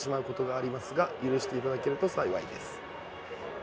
「ありますが許していただけると幸いです」